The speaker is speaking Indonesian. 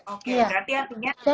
oke berarti artinya